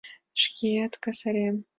Шкеак касарем.